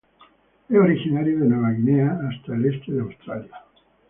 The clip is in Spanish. Es originario de Nueva Guinea hasta el este de Australia.